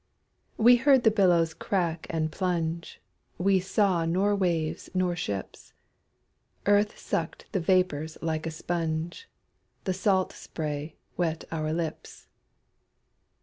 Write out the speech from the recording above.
We heard the billows crack and plunge, We saw nor waves nor ships. Earth sucked the vapors like a sponge, The salt spray wet our lips.